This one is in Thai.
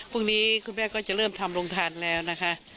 พรุ่งนี้คุณแม่ก็จะเริ่มทำรวงทานแล้วนะคะ